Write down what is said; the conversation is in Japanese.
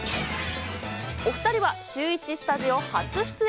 お２人はシューイチスタジオ初出演。